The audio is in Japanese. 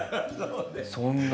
そんなに。